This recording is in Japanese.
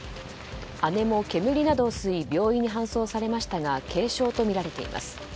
姉も煙などを吸い病院に搬送されましたが軽傷とみられています。